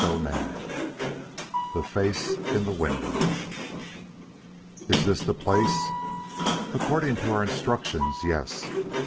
XXVI THE FACE IN THE WINDOW "Is this the place?" "According to our instructions, yes.